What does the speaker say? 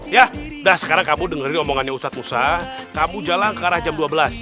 ya dah sekarang kamu dengerin omongannya ustadz usa kamu jalan ke arah jam dua belas